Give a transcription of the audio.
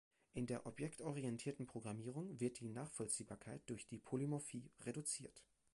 In der objektorientierten Programmierung wird die Nachvollziehbarkeit durch die Polymorphie reduziert.